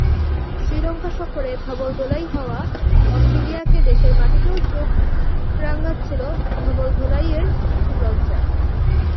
শ্রীলঙ্কা সফরে ধবলধোলাই হওয়া অস্ট্রেলিয়াকে দেশের মাটিতেও চোখ রাঙাছিল ধবলধোলাইয়ের লজ্জা।